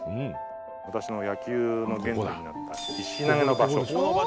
私の野球の原点だった石投げの場所。